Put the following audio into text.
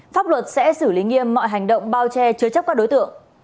pháp luật sẽ xử lý nghiêm mọi hành động bao che chứa chấp các đối tượng